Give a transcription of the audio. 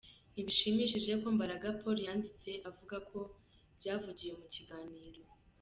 Ntibishimishije ko Mbaraga Paul yanditse avuga ku byavugiwe mu kiganiro ".